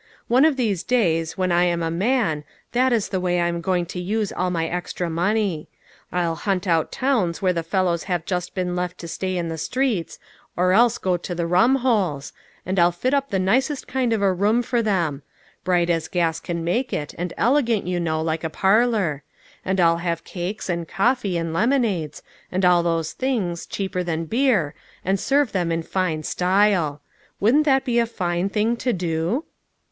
One of these days, when I am a man, that is the way I am going to use all my extra money. I'll hunt out towns where the fellows have just been left to stay in the streets, or else go to the rum 98 LITTLE FISHERS: AND THEIR NETS. holes, and I'll fit up the nicest kind of a room for them. Bright as gas can make it, and ele gant, you know, like a parlor; and I'll have cakes, and coffee, and lemonades, and all those things, cheaper than beer, and serve them in fine style. Wouldn't that be a fine thing to do